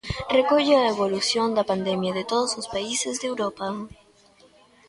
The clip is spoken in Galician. Recolle a evolución da pandemia de todos os países de Europa.